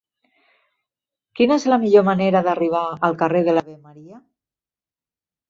Quina és la millor manera d'arribar al carrer de l'Ave Maria?